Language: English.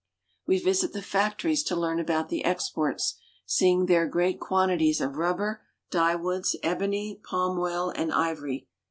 We visit the factories to learn about the exports, seeing there great quantities of rubber, dyewoods, ebony, palm oil, and ivory.